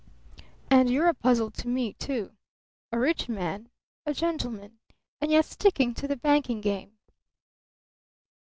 "And you're a puzzle to me, too. A rich man, a gentleman, and yet sticking to the banking game."